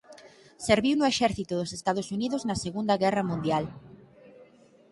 Serviu no exército dos Estados Unidos na Segunda Guerra Mundial.